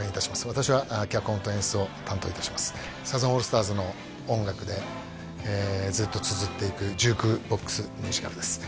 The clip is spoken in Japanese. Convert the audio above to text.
私は脚本と演出を担当いたしますサザンオールスターズの音楽でずっとつづっていくジュークボックスミュージカルです